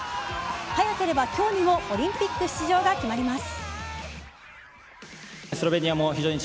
早ければ今日にもオリンピック出場が決まります。